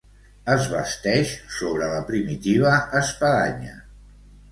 Es basteix sobre la primitiva espadanya.